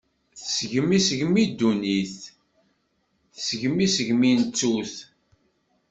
Tesgem isegmi ddunit, tesgem isegmi n ttut.